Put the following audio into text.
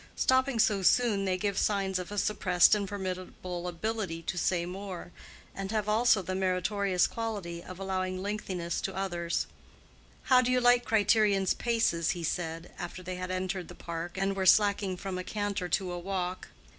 Stopping so soon, they give signs of a suppressed and formidable ability so say more, and have also the meritorious quality of allowing lengthiness to others. "How do you like Criterion's paces?" he said, after they had entered the park and were slacking from a canter to a walk.